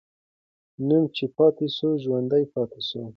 نوم چې پاتې سو، ژوندی پاتې سو.